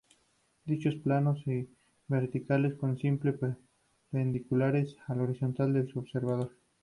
Dichos planos o "verticales" son siempre perpendiculares al horizonte del observador.